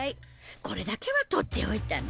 これだけは取っておいたの。